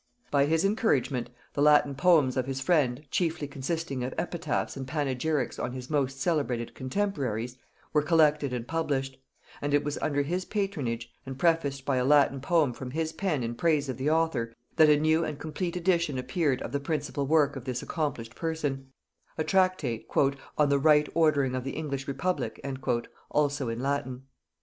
By his encouragement, the Latin poems of his friend, chiefly consisting of epitaphs and panegyrics on his most celebrated contemporaries, were collected and published; and it was under his patronage, and prefaced by a Latin poem from his pen in praise of the author, that a new and complete edition appeared of the principal work of this accomplished person; a tractate "on the right ordering of the English republic," also in Latin.